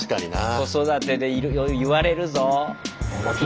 子育てで言われるぞ。